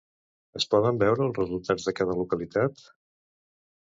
Es poden veure els resultats de cada localitat?